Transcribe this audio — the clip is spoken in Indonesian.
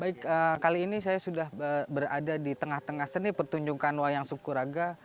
baik kali ini saya sudah berada di tengah tengah seni pertunjukan wayang sukuraga